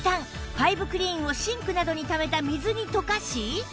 ファイブクリーンをシンクになどにためた水に溶かし